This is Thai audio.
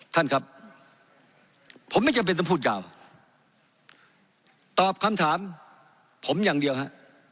ท่านครับผมไม่จำเป็นต้องพูดยาวตอบคำถามผมอย่างเดียวฮะ